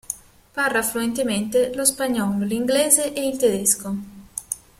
Parla fluentemente lo spagnolo, l'inglese e il tedesco.